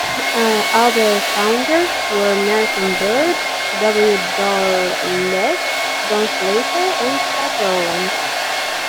Other founders were Merton Bird, W. Dorr Legg, Don Slater, and Chuck Rowland.